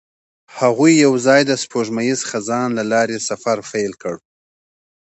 هغوی یوځای د سپوږمیز خزان له لارې سفر پیل کړ.